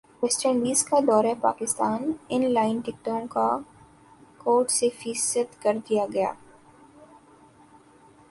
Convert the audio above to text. waste Indies کا دورہ Pakistan online ٹکٹوں کاکوٹہ سے فیصد کردیاگیا